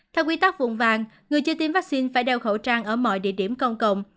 theo quy tắc vùng vàng người chưa tiêm vaccine phải đeo khẩu trang ở mọi địa điểm công cộng